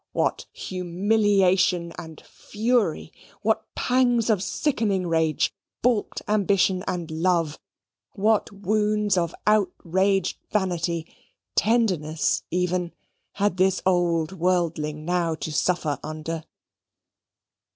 What humiliation and fury: what pangs of sickening rage, balked ambition and love; what wounds of outraged vanity, tenderness even, had this old worldling now to suffer under!